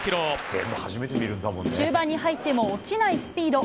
終盤に入っても落ちないスピード。